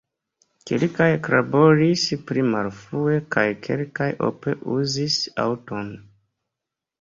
Kelkaj eklaboris pli malfrue kaj kelkaj ope uzis aŭton.